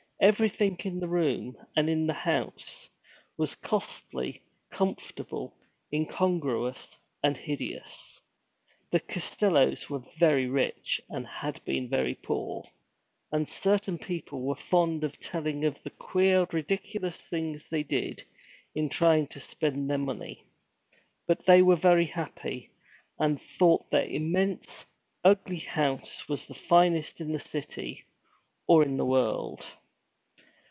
Everything in the room, and in the house, was costly, comfortable, incongruous, and hideous. The Costellos were very rich, and had been very poor; and certain people were fond of telling of the queer, ridiculous things they did, in trying to spend their money. But they were very happy, and thought their immense, ugly house was the finest in the city, or in the world.